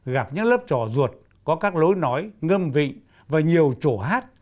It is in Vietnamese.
gặp những lớp trò ruột có các lối nói ngâm vị và nhiều chỗ hát